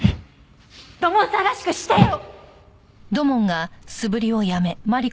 土門さんらしくしてよ！